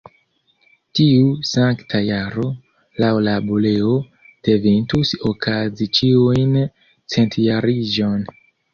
Tiu Sankta Jaro, laŭ la buleo, devintus okazi ĉiujn centjariĝon.